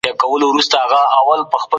د توکو د تولید لپاره نوي لاري چاري ولټوئ.